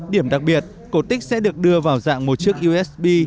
điểm đặc biệt cổ tích sẽ được đưa vào dạng một chiếc usb